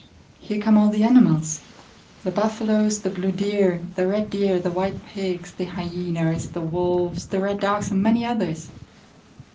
Here come all the animals! The buffaloes, the blue deer, the red deer, the wild pigs, the hyenas, the wolves, the red dogs, and many others.